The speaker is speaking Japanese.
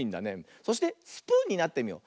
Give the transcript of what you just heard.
そしてスプーンになってみよう。